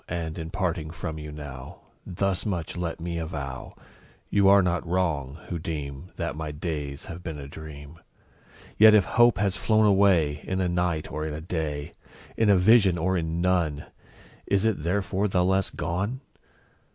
And, in parting from you now, Thus much let me avow You are not wrong, who deem That my days have been a dream; Yet if Hope has flown away In a night, or in a day, In a vision, or in none, Is it therefore the less gone?